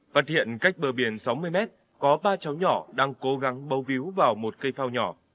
phát hiện cách bờ biển sáu mươi mét có ba cháu nhỏ đang cố gắng bấu víu vào một cây phao nhỏ